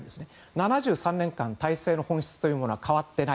７３年間体制の本質は変わっていない。